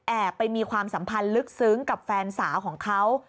ไปมีความสัมพันธ์ลึกซึ้งกับแฟนสาวของเขา